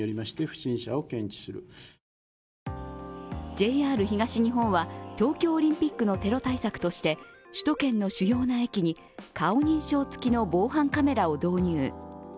ＪＲ東日本は東京オリンピックのテロ対策として首都圏の主要な駅に顔認証つきの防犯カメラを導入。